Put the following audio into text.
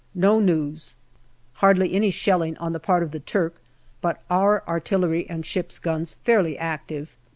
No news. Hardly any shelling on the part of the Turk, but our artillery and ships' guns fairly active.